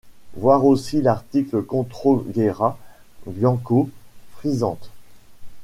Voir aussi l'article Controguerra bianco frizzante.